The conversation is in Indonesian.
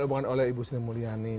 diomongan oleh ibu sri mulyani